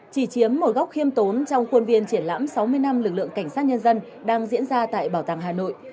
chỉ chiếm một góc khiêm tốn trong khuôn viên triển lãm sáu mươi năm lực lượng cảnh sát nhân dân đang diễn ra tại bảo tàng hà nội